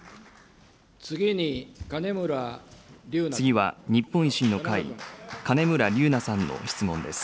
次は日本維新の会、金村龍那さんの質問です。